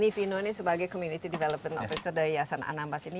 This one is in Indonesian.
ini vino sebagai community development officer yayasan anambas ini